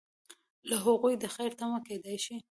له هغوی د خیر تمه کیدای شي.